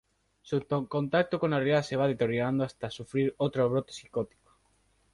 Su contacto con la realidad se va deteriorando hasta sufrir otro brote psicótico.